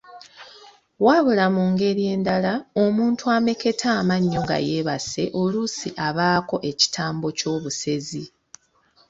Wabula mu ngeri endala omuntu ameketa amannyo nga yeebase oluusi abaako ekitambo ky’obusezi.